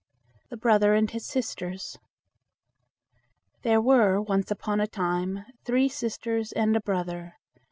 THE BROTHER AND HIS SISTERS There were once upon a time three sisters and a brother.